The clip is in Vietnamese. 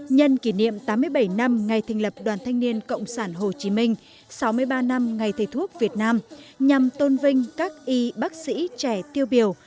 nhân kỷ niệm tám mươi bảy năm ngày thành lập đoàn thanh niên cộng sản hồ chí minh sáu mươi ba năm ngày thầy thuốc việt nam nhằm tôn vinh các y bác sĩ trẻ tiêu biểu